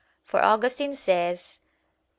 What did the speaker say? For Augustine says (QQ.